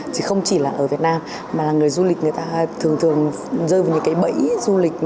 chứ không chỉ là ở việt nam mà là người du lịch người ta thường thường rơi vào những cái bẫy du lịch